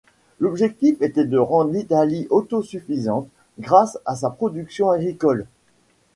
L'objectif était de rendre l'Italie autosuffisante grâce à sa production agricole.